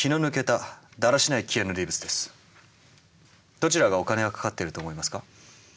どちらがお金がかかってると思いますか？